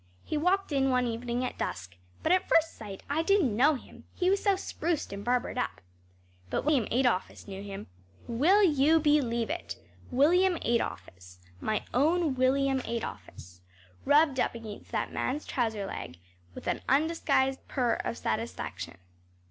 He walked in one evening at dusk, but at first sight I didn’t know him he was so spruced and barbered up. But William Adolphus knew him. Will you believe it, William Adolphus, my own William Adolphus, rubbed up against that man’s trouser leg with an undisguised purr of satisfaction.